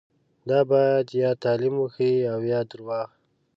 دا باید یا تعلیم وښيي او یا درواغ.